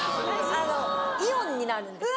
イオンになるんですよ。